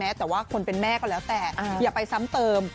แต่ว่าคนเป็นแม่ก็แล้วแต่อย่าไปซ้ำเติม